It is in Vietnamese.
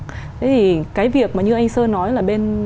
thế thì cái việc mà như anh sơn nói là bên